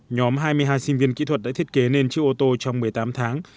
nhóm hai mươi hai sinh viên kỹ thuật đã thiết kế nên chiếc ô tô trong một mươi tám tháng